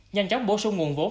nhanh chóng bổ sung nguồn vốn